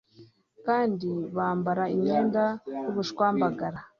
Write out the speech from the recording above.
kandi bambara imyenda y'ubushwambagara